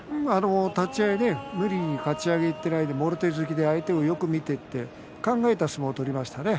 立ち合い無理にかち上げにいっていないでもろ手突きで相手をよく見ていて考えた相撲を取りましたね。